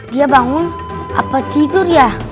dia bangun apa jujur ya